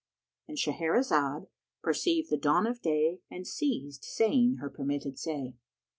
"—And Shahrazad perceived the dawn of day and ceased saying her permitted say.